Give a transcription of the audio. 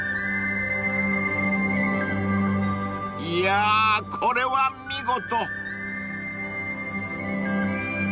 ［いやこれは見事］